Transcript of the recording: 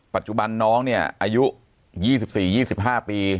ปัจจุบันน้องเนี่ยอายุ๒๔๒๕ปี